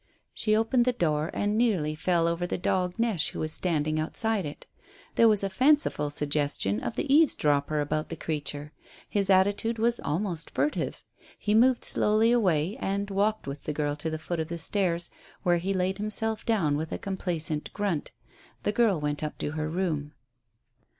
She opened the door and nearly fell against the dog Neche, who was standing outside it. There was a fanciful suggestion of the eavesdropper about the creature; his attitude was almost furtive. He moved slowly away, and walked with the girl to the foot of the stairs, where he laid himself down with a complacent grunt. The girl went up to her room.